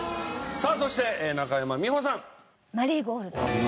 さあそして中山美穂さん。